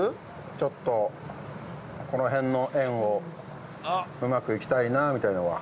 ちょっと、この辺の縁をうまくいきたいなみたいなのは。